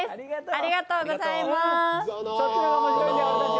ありがとうございます。